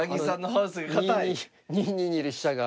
２二にいる飛車が。